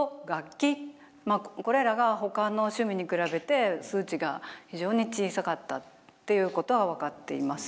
これらが他の趣味に比べて数値が非常に小さかったっていうことは分かっています。